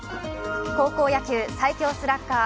高校野球最強スラッガー